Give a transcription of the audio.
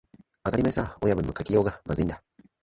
当たり前さ、親分の書きようがまずいんだ